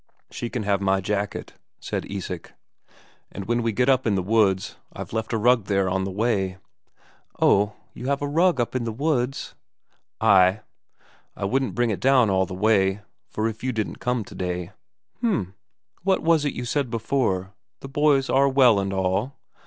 "She can have my jacket," said Isak. "And when we get up in the woods, I've left a rug there on the way." "Oh, have you a rug up in the woods?" "Ay. I wouldn't bring it down all the way, for if you didn't come today." "H'm. What was it you said before the boys are well and all?"